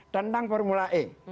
tentang formula e